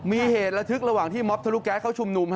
มีเหตุระทึกระหว่างที่มอบทะลุแก๊สเขาชุมนุม